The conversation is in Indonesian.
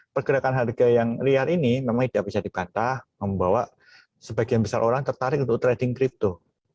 pergerakan harga yang liar ini memang tidak bisa dibantah membawa sebagian besar orang tertarik untuk trading crypto